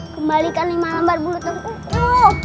kembalikan lima lambar bulu tengkukku